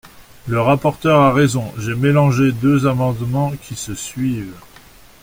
Le rapporteur a raison, j’ai mélangé deux amendements qui se suivent.